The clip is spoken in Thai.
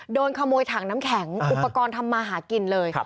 โดนขโมยถังน้ำแข็งอุปกรณ์ทำมาหากินเลย